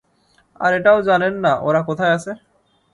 আর এটাও জানেন না ওরা কোথায় আছে?